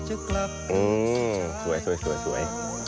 อืมสวย